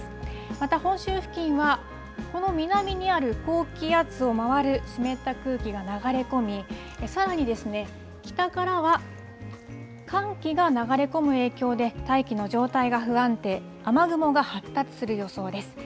また、本州付近は、この南にある高気圧を回る湿った空気が流れ込み、さらに北からは寒気が流れ込む影響で大気の状態が不安定、雨雲が発達する予想です。